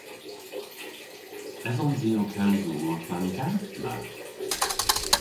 Esons i ow kewsel orth an gath na?